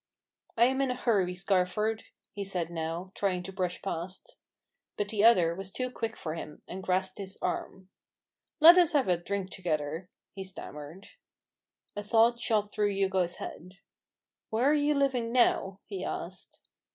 " I am in a hurry, Scarford," he said now, trying to brush past. But the other was too quick for him, and grasped his arm. " Let us have a drink together," he stammered. A thought shot through Hugo's head. "Where are you living now?" he asked.